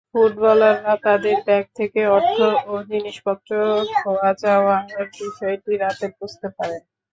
ফুটবলাররা তাদের ব্যাগ থেকে অর্থ ও জিনিসপত্র খোয়া যাওয়ার বিষয়টি রাতে বুঝতে পারেন।